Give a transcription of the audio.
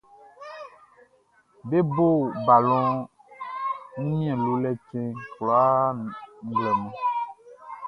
Be bo balɔn Wunmiɛn-lolɛ-cɛn kwlaa nglɛmun.